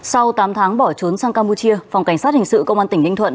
sau tám tháng bỏ trốn sang campuchia phòng cảnh sát hình sự công an tỉnh ninh thuận